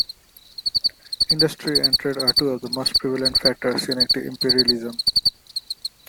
Industry and trade are two of the most prevalent factors unique to imperialism.